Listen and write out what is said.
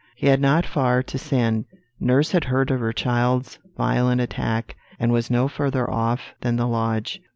He had not far to send. Nurse had heard of her child's violent attack, and was no further off than the lodge.